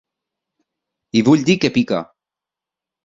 I vull dis que pica.